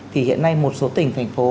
thì hiện nay một số tỉnh thành phố